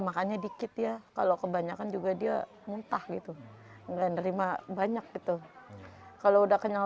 makannya dikit ya kalau kebanyakan juga dia muntah gitu enggak nerima banyak gitu kalau udah kenyal